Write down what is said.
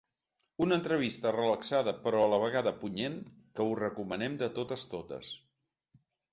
Una entrevista relaxada però a la vegada punyent que us recomanem de totes totes.